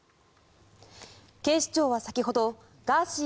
警視庁は先ほどガーシー